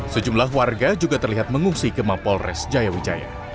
sejumlah warga juga terlihat mengungsi ke mapol res jayawijaya